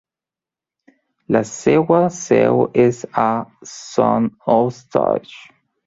La seva seu és a Saint-Eustache.